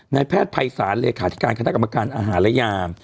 แพทย์ภัยศาลเลขาธิการคณะกรรมการอาหารและยา